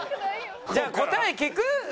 じゃあ答え聞く？